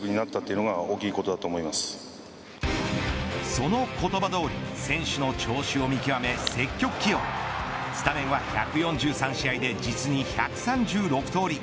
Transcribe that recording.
その言葉どおり選手の調子を見極め、積極起用スタメンは１４３試合で実に１３６通り